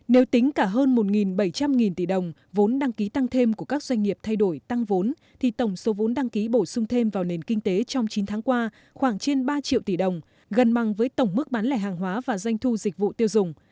nếu tính cả hơn một bảy trăm linh tỷ đồng vốn đăng ký tăng thêm của các doanh nghiệp thay đổi tăng vốn thì tổng số vốn đăng ký bổ sung thêm vào nền kinh tế trong chín tháng qua khoảng trên ba triệu tỷ đồng gần bằng với tổng mức bán lẻ hàng hóa và doanh thu dịch vụ tiêu dùng